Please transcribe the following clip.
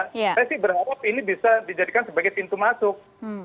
saya sih berharap ini bisa dijadikan sebagai pintu masuk